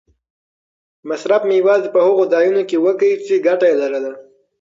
مصرف مې یوازې په هغو ځایونو کې وکړ چې ګټه یې لرله.